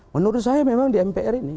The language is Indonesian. menurut saya memang di mpr ini